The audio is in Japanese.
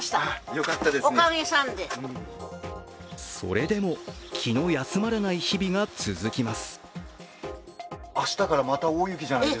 それでも気の休まらない日々が続きます。